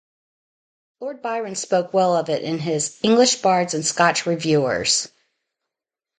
Lord Byron spoke well of it in his "English Bards and Scotch Reviewers".